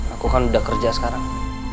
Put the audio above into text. aku kan udah kerja sekarang